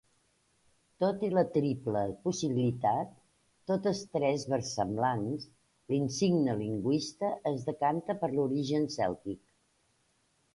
Tot i la triple possibilitat, totes tres versemblants, l'insigne lingüista es decanta per l'origen cèltic.